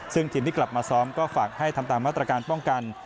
ซึ่งทีมที่กลับมาซ้อมก็ฝากให้ทำตามมาตรการป้องกัน